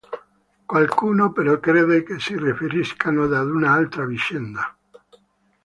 Qualcuno però crede che si riferiscano ad un'altra vicenda.